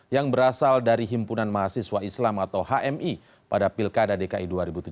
yang berasal dari himpunan mahasiswa islam atau hmi pada pilkada dki dua ribu tujuh belas